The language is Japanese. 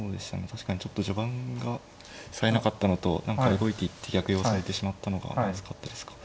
確かにちょっと序盤がさえなかったのと何か動いていって逆用されてしまったのがまずかったですか。